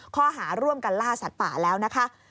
ข้อหาร่วมกันล่าสัตว์ป่าแล้วนะคะ